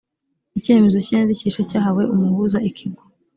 icyemezo cy iyandikisha cyahawe umuhuza ikigo